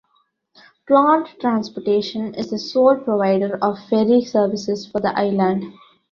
Plaunt Transportation is the sole provider of ferry services for the Island.